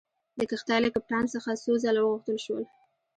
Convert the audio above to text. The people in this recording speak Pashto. د کښتۍ له کپټان څخه څو ځله وغوښتل شول.